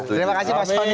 terima kasih pak sifat